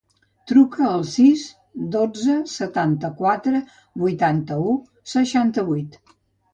Truca al sis, dotze, setanta-quatre, vuitanta-u, seixanta-vuit.